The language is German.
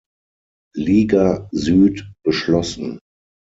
Liga Süd beschlossen.